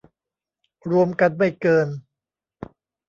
รวมกันไม่เกิน